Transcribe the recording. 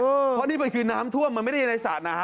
เพราะนี่คือน้ำทั่วมันไม่ได้ในสระน้ำ